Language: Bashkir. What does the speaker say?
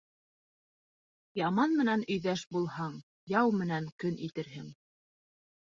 Яман менән өйҙәш булһаң, яу менән көн итерһең.